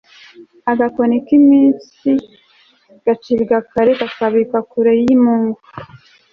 agakoni k'iminsi gacibwa kare ,kakabikwa kure y'imungu